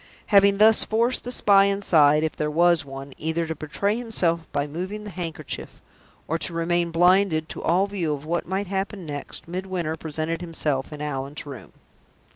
Having thus forced the spy inside (if there was one) either to betray himself by moving the handkerchief, or to remain blinded to all view of what might happen next, Midwinter presented himself in Allan's room.